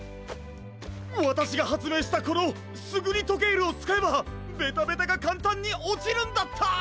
わたしがはつめいしたこのスグニトケールをつかえばベタベタがかんたんにおちるんだった！